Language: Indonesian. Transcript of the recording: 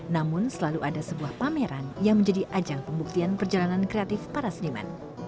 namun selalu ada sebuah pameran yang menjadi ajang pembuktian perjalanan kreatif para seniman